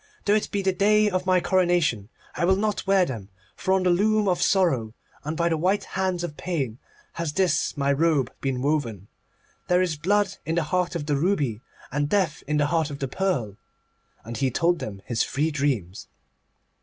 Though it be the day of my coronation, I will not wear them. For on the loom of Sorrow, and by the white hands of Pain, has this my robe been woven. There is Blood in the heart of the ruby, and Death in the heart of the pearl.' And he told them his three dreams.